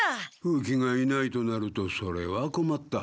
風鬼がいないとなるとそれはこまった。